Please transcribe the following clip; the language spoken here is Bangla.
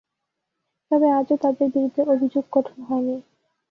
তবে আজও তাঁদের বিরুদ্ধে অভিযোগ গঠন হয়নি।